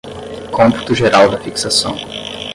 cômputo geral da fixação